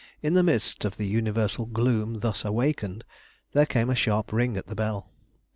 In the midst of the universal gloom thus awakened there came a sharp ring at the bell.